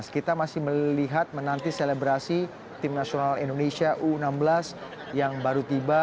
kita masih melihat menanti selebrasi tim nasional indonesia u enam belas yang baru tiba